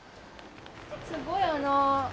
すごいあの。